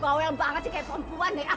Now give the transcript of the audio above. bawel banget sih kayak perempuan ya